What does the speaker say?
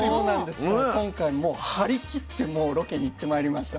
だから今回もう張り切ってロケに行ってまいりました。